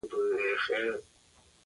ورځنۍ چارې د قواعدو په بنسټ ولاړې دي.